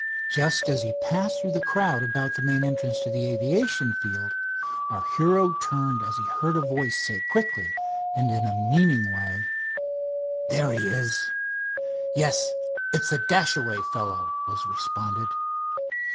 Just as he passed through the crowd about the main entrance to the aviation field our hero turned as he heard a voice say quickly and in a meaning way: "There he is!" "Yes, it's the Dashaway fellow," was responded.